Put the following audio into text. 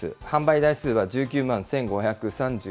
販売台数は１９万１５３４台。